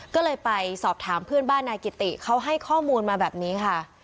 ก็เลยไปสอบถามเพื่อนบ้านนายกิติเขาให้ข้อมูลมาแบบนี้ค่ะ